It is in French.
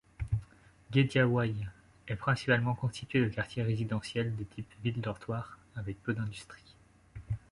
Guédiawaye est principalement constituée de quartiers résidentiels de type ville-dortoir, avec peu d'industries.